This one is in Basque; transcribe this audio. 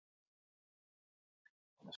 Durangon diskoak eta liburuak salgai egongo dira.